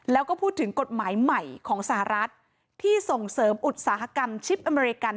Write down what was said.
แล้วก็พูดถึงกฎหมายใหม่ของสหรัฐที่ส่งเสริมอุตสาหกรรมชิปอเมริกัน